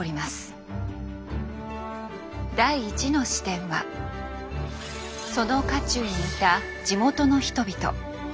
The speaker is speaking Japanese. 第１の視点はその渦中にいた地元の人々。